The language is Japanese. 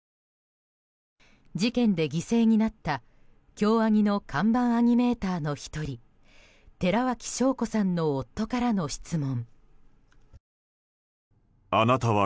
事件で犠牲になった京アニの看板アニメーターの１人寺脇晶子さんの夫からの質問。